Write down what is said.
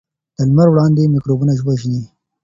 د لمر وړانګې میکروبونه وژني.